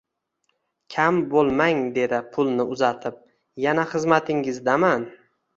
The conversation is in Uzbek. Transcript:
Kam bo‘lmang, dedi pulni uzatib, yana xizmatingizdaman